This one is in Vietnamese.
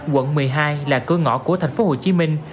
quận một mươi hai là cửa ngõ của thành phố hồ chí minh